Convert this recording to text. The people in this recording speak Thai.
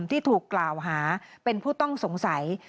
ที่ถูกกล่าวหาเป็นผู้ต้องสงสัย